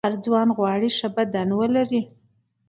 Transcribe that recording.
هر ځوان غواړي ښه بدن ولري.